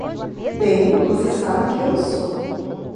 Bem, você sabe quem eu sou.